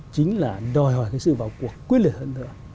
chính là đòi hỏi sự vào cuộc quyết lợi hơn